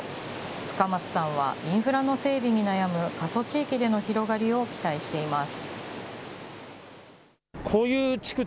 深松さんはインフラの整備に悩む、過疎地域での広がりを期待しています。